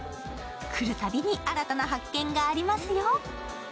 来るたびに新たな発見がありますよ。